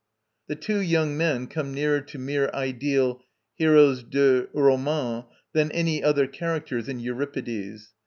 The two young men come nearer to mere ideal heroes de roman than any other characters in Euripides.